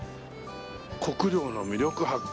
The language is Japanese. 「国領の魅力発見！」